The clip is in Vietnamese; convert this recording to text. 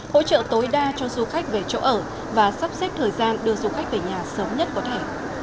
hỗ trợ tối đa cho du khách về chỗ ở và sắp xếp thời gian đưa du khách về nhà sớm nhất có thể